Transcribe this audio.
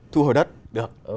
thu hồi đất được